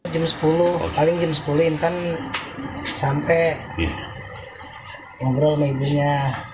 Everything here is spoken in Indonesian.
jam sepuluh paling jam sepuluh intan sampai ngobrol sama ibunya